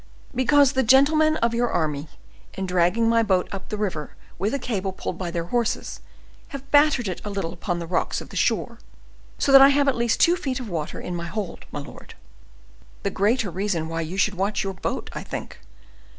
"Because the gentlemen of your army, in dragging my boat up the river with a cable pulled by their horses, have battered it a little upon the rocks of the shore, so that I have at least two feet of water in my hold, my lord." "The greater reason why you should watch your boat, I think."